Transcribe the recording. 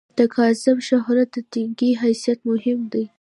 تر کاذب شهرت، د ټنګي حیثیت مهم دی.